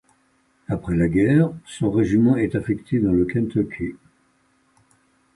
Après la guerre, son régiment est affecté dans le Kentucky.